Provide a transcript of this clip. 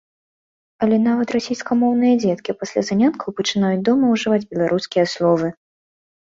Але нават расейскамоўныя дзеткі пасля заняткаў пачынаюць дома ўжываць беларускія словы.